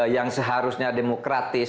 yang seharusnya demokratis